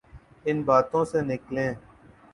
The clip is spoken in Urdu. ان باتوں سے نکلیں۔